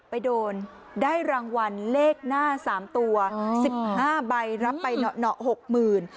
ไปโดนได้รางวัลเลขหน้าสามตัวสิบห้าใบรับไปหน่อหน่อหกหมื่น